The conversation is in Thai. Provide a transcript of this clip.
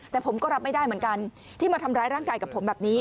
แต่ผมก็รับไม่ได้เหมือนกันที่มาทำร้ายร่างกายกับผมแบบนี้